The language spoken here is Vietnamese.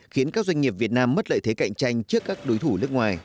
khiến các doanh nghiệp việt nam mất lợi thế cạnh tranh trước các đối thủ nước ngoài